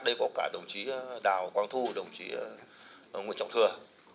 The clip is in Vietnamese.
đây có cả đồng chí đào quang thu đồng chí nguyễn trọng thừa